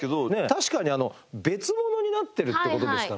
確かに別物になってるってことですからね。